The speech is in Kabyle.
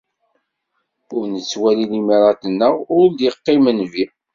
Ur nettwali limaṛat-nneɣ, ur d-iqqim nnbi.